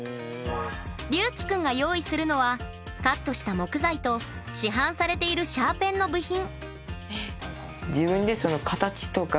りゅうきくんが用意するのはカットした木材と市販されているシャーペンの部品。